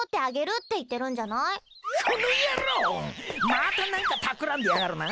また何かたくらんでやがるな？